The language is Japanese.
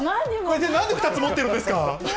なんで２つ持ってるんですか？